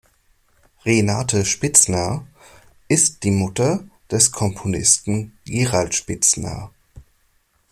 Renate Spitzner ist die Mutter des Komponisten Gerald Spitzner.